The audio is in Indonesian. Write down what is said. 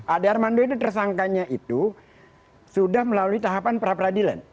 ade armando ini tersangkanya itu sudah melalui tahapan pra peradilan